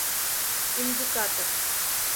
Индикатор.